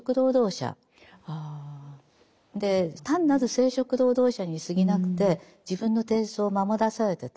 で単なる生殖労働者にすぎなくて自分の貞操を守らされてた。